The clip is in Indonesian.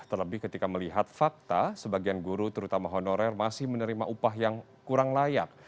terlebih ketika melihat fakta sebagian guru terutama honorer masih menerima upah yang kurang layak